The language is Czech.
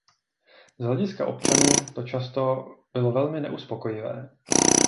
Z hlediska občanů to často bylo velmi neuspokojivé.